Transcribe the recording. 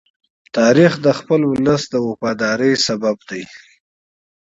تاریخ د خپل ولس د وفادارۍ لامل دی.